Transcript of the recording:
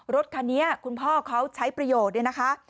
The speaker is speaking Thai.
รถคันนี้คุณพ่อเขาใช้ประโยชน์เนี่ยนะคะ